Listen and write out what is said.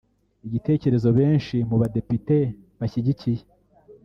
igitekerezo benshi mu ba Depite bashyigikiye